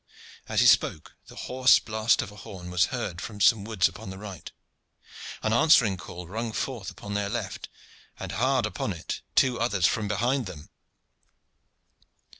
As he spoke the hoarse blast of a horn was heard from some woods upon the right. An answering call rung forth upon their left, and hard upon it two others from behind them.